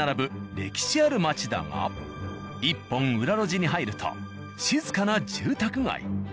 歴史ある街だが１本裏路地に入ると静かな住宅街。